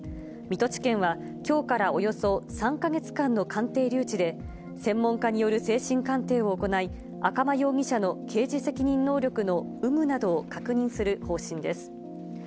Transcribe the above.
水戸地検は、きょうからおよそ３か月間の鑑定留置で、専門家による精神鑑定を行い、赤間容疑者の刑事責任能力の有無などを確認する方針です。